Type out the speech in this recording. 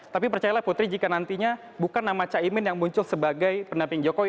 tapi percayalah putri jika nantinya bukan nama caimin yang muncul sebagai pendamping jokowi